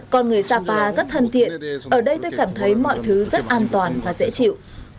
con người sapa rất thân thiện ở đây tôi cảm thấy mọi thứ rất an toàn và dễ chịu